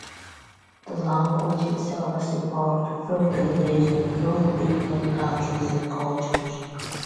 The language itself has evolved through the years and through different countries and cultures.